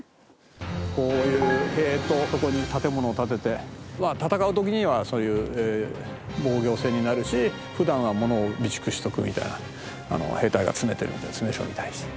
こういう塀とそこに建物を建てて戦う時にはそういう防御線になるし普段はものを備蓄しておくみたいな兵隊が詰めてる詰所みたいに。